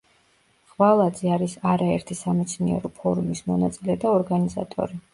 ღვალაძე არის არაერთი სამეცნიერო ფორუმის მონაწილე და ორგანიზატორი.